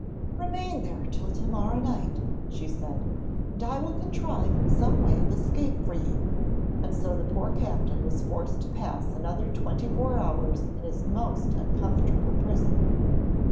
'Remain there till to morrow night,' she said, 'and I will contrive some way of escape for you,' and so the poor captain was forced to pass another twenty four hours in his most uncomfortable prison.